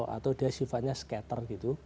atau dia sifatnya skater gitu